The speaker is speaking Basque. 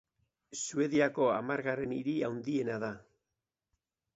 Suediako hamargarren hiri handiena da.